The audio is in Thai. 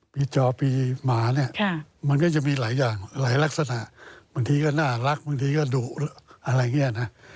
จอปีหมาเนี่ยมันก็จะมีหลายอย่างหลายลักษณะบางทีก็น่ารักบางทีก็ดุอะไรอย่างนี้นะ